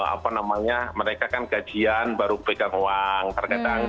apa namanya mereka kan gajian baru pegang uang